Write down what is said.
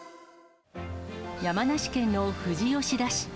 山梨県の富士吉田市。